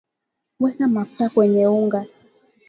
weka mafuta kwenye unga